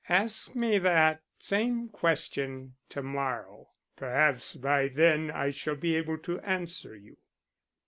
"Ask me that same question to morrow. Perhaps by then I shall be able to answer you."